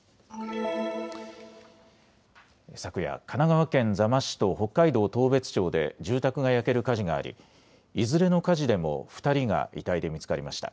昨夜、神奈川県座間市と北海道当別町で住宅が焼ける火事がありいずれの火事でも２人が遺体で見つかりました。